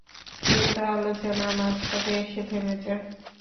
কিন্তু আলোচনা মাঝপথে এসে থেমে যায়।